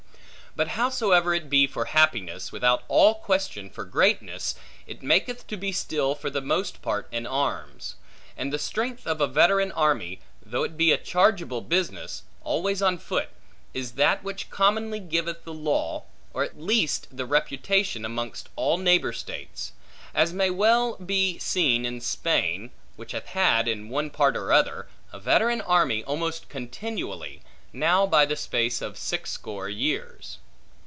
But howsoever it be for happiness, without all question, for greatness, it maketh to be still for the most part in arms; and the strength of a veteran army (though it be a chargeable business) always on foot, is that which commonly giveth the law, or at least the reputation, amongst all neighbor states; as may well be seen in Spain, which hath had, in one part or other, a veteran army almost continually, now by the space of six score years.